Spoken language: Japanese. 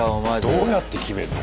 どうやって決めんの？